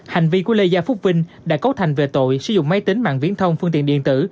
hành vi của lê gia phúc vinh đã cấu thành về tội sử dụng máy tính mạng viễn thông phương tiện điện tử